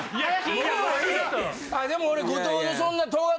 でも俺。